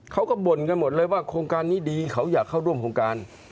บ่นกันหมดเลยว่าโครงการนี้ดีเขาอยากเข้าร่วมโครงการ